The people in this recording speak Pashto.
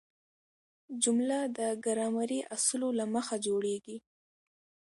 جمله د ګرامري اصولو له مخه جوړیږي.